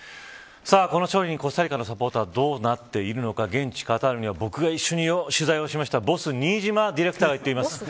さあ、この勝利にコスタリカのサポーターはどうなっているのか現地カタールで一緒に取材をしたボス、新島ディレクターが行っています。